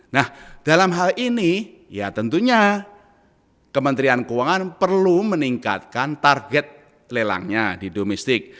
nah dalam hal ini ya tentunya kementerian keuangan perlu meningkatkan target lelangnya di domestik